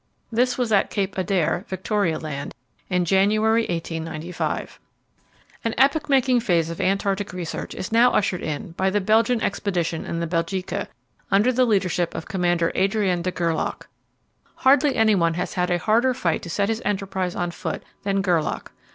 This was at Cape Adare, Victoria Land, in January, 1895. An epoch making phase of Antarctic research is now ushered in by the Belgian expedition in the Belgica, under the leadership of Commander Adrien de Gerlache. Hardly anyone has had a harder fight to set his enterprise on foot than Gerlache.